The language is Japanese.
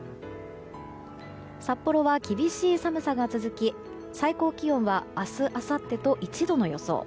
札幌は厳しい寒さが続き最高気温は明日あさってと１度の予想。